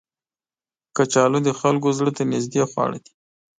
کچالو د خلکو زړه ته نیژدې خواړه دي